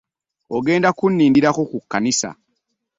Ogenda kunindirako ku kkanisa.